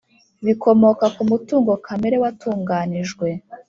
bikomoka ku mutungo kamere watunganijwe.